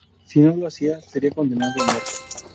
Si no lo hacía, sería condenado a muerte.